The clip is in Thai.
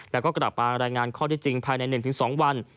แล้วก็กลับมารายงานข้อที่จริงภายใน๑๒วัน